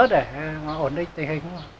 để ổn định tình hình